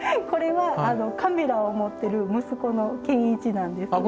これはカメラを持ってる息子の賢一なんです。